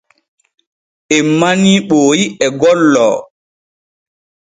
En manii Ɓooyi e gollo.